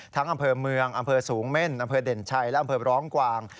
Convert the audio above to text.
อำเภอเมืองอำเภอสูงเม่นอำเภอเด่นชัยและอำเภอร้องกวาง